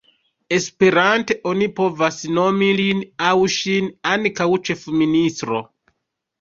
Esperante oni povas nomi lin au ŝin ankaŭ ĉefministro.